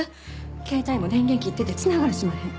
携帯も電源切っててつながらしまへん。